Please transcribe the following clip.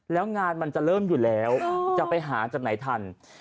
แล้วงานมันจะเริ่มอยู่แล้วจะไปหาจากไหนทัน